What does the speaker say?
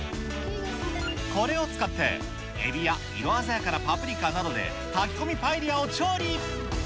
これを使って、エビや色鮮やかなパプリカなどで炊き込みパエリアを調理。